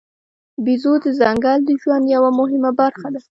بیزو د ځنګل د ژوند یوه مهمه برخه ده.